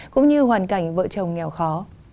cũng như hoàn cảnh vợ chồng nghèo khó